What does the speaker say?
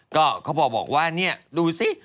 ก็เค้าบอกว่านี่ดูสิ